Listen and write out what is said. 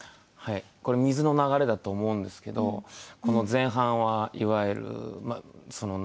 これ水の流れだと思うんですけどこの前半はいわゆる何て言うんですかね